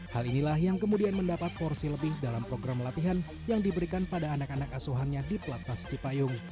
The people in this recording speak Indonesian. hal inilah yang kemudian mendapat porsi lebih dalam program latihan yang diberikan pada anak anak asuhannya di platnas cipayung